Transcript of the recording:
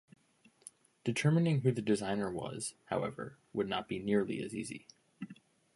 Determining who the designer was, however, would not be nearly as easy.